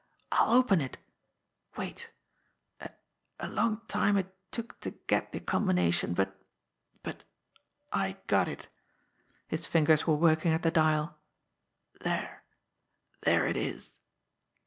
"I'll open it ! Wait ! A a long time it took to get the combination, but but I got it" his fingers were working at the dial "there there it is!"